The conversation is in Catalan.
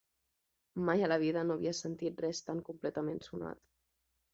Mai a la vida no havia sentit res tan completament sonat.